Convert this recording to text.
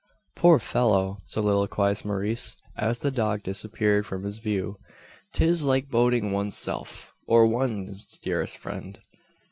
"Poor fellow!" soliloquised Maurice, as the dog disappeared from his view. "'Tis like boating one's self, or one's dearest friend!